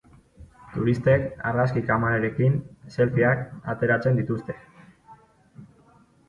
Turistek argazki kamararekin selfieak ateratzen dituzte.